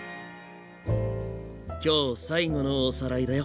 今日最後のおさらいだよ。